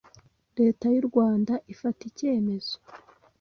leta y’u Rwanda ifata icyemezo